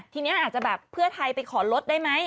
ทีนี้อาจจะแบบเพื่อไทยไปขอลดได้ไหม